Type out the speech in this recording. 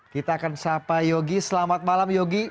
kita akan sapa yogi selamat malam yogi